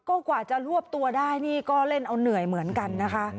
ก็กว่าจะรวบตัวได้นี่ก็เล่นเอาเหนื่อยเหมือนกันนะคะ